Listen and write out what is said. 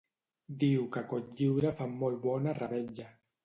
Diu que a Cotlliure fan molt bona revetlla